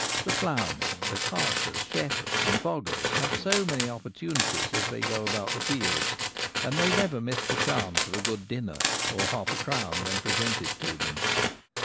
The ploughmen, the carters, shepherds, and foggers have so many opportunities as they go about the fields, and they never miss the chance of a good dinner or half a crown when presented to them.